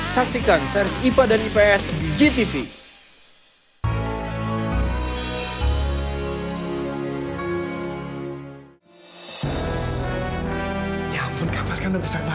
saksikan seri ipa dan ips di gtv